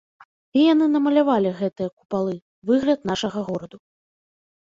І яны намалявалі гэтыя купалы, выгляд нашага гораду.